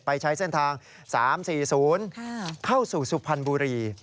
ใช้เส้นทาง๓๔๐เข้าสู่สุพรรณบุรี